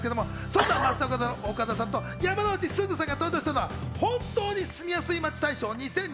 そんな岡田さんと山之内すずさんが登場したのは、本当に住みやすい街大賞２０２２ｉｎ